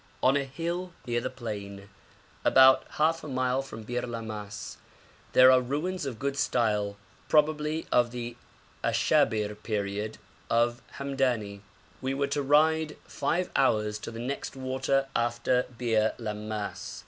On a hill near the plain, about half a mile from Bir Lammas, there are ruins of good style, probably of the Ashabir period of Hamdani. We were to ride five hours to the next water after Bir Lammas.